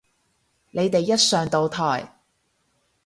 你哋一上到台